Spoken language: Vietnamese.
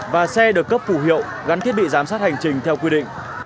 và xe được cấp phù hiệu gắn thiết bị giám sát hành trình theo quy định